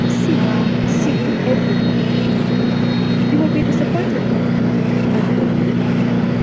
"See see everything." "You will be disappointed." "And were you?"